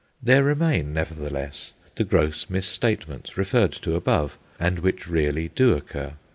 There remain, nevertheless, the gross misstatements referred to above, and which really do occur.